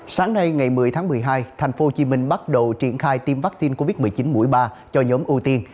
sáng nay ngày một mươi tháng một mươi hai tp hcm bắt đầu triển khai tiêm vaccine covid một mươi chín mũi ba cho nhóm ưu tiên